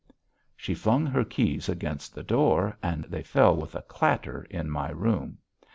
She flung her keys against the door and they fell with a clatter in my room.